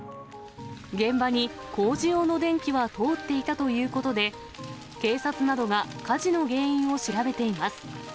現場に工事用の電気は通っていたということで、警察などが火事の原因を調べています。